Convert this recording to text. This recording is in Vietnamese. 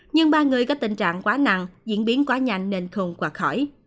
nhưng ba người có tình trạng quá nặng diễn biến quá nhanh nên thuận quạt khỏi